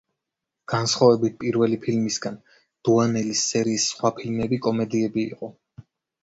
განსხვავებით პირველი ფილმისგან, დუანელის სერიის სხვა ფილმები კომედიები იყო.